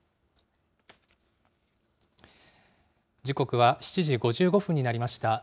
時刻は７時５５分になりました。